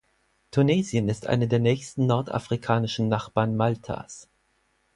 Tunesien ist einer der nächsten nordafrikanischen Nachbarn Maltas.